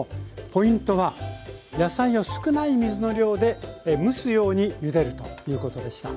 ポイントは野菜を少ない水の量で蒸すようにゆでるということでした。